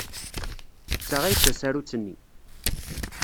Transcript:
D ta ay d tasarut-nni.